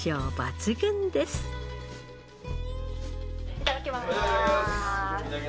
いただきます！